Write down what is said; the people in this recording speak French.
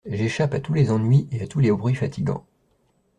J'échappe à tous les ennuis et à tous les bruits fatigants.